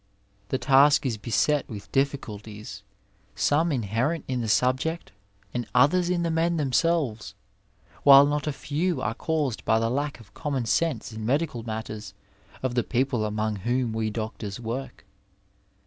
The task is beset with difficulties^ some inherent in the subject and others in the men them selves, while not a few are caused by the lack of common sense in medical matters of the people among whom we doctois work.